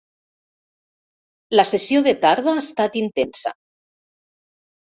La sessió de tarda ha estat intensa.